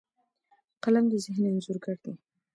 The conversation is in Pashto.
قلم د ذهن انځورګر دی